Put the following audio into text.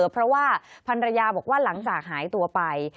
เพราะว่าพันรยาบอกว่าหลังจากหายตัวไป